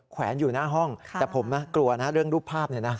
แขวนอยู่หน้าห้องแต่ผมกลัวเรื่องรูปภาพ